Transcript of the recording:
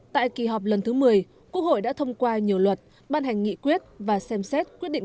tại kỳ họp lần thứ một mươi quốc hội đã thông qua nhiều luật ban hành nghị quyết và xem xét quyết định